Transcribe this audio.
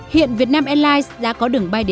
hiện vietnam airlines đã có đường bay địa